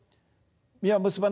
実は結ばないよ。